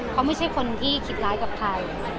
เขาไม่ใช่คนที่คิดร้ายกับใคร